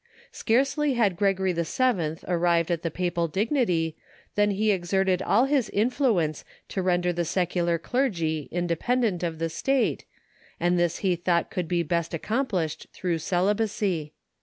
Scarcely had Gregory VII. arrived at the papal dignity than he exerted all his influence to render the secular clergy independent of the state, and this he thought could be best accomplished through celibacy.